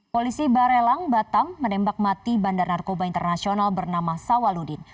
polisi barelang batam menembak mati bandar narkoba internasional bernama sawaludin